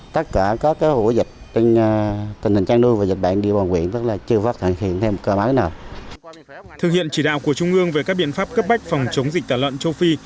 thực hiện chỉ đạo của trung ương về các biện pháp cấp bách phòng chống dịch tả lợn châu phi